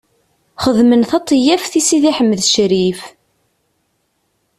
Xedmen taṭeyyaft i Sidi Ḥmed Ccrif.